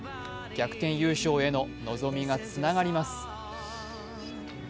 逆転優勝への望みがつながります。